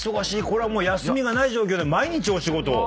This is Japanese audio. これは休みがない状況で毎日お仕事を。